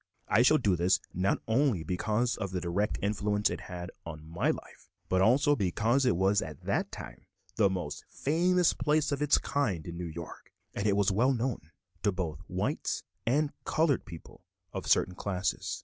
I shall do this not only because of the direct influence it had on my life, but also because it was at that time the most famous place of its kind in New York, and was well known to both white and colored people of certain classes.